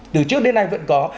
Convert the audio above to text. từ trước đến nay vẫn có